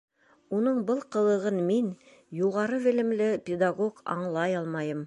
Уның был ҡылығын мин, юғары белемле педагог, аңлай алмайым.